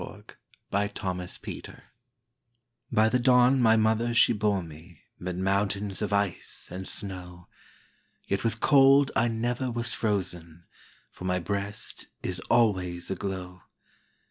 BrooksBY the Don my mother she bore meMid mountains of ice and snow; Yet with cold I never was frozen, For my breast is always aglow.